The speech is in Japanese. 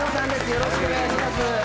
よろしくお願いします。